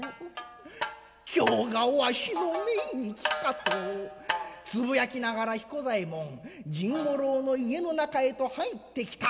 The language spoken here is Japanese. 今日がわしの命日かとつぶやきながら彦左衛門甚五郎の家の中へと入ってきた。